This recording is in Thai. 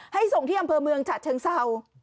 ส่งที่อำเภอเมืองฉะเชิงเศร้า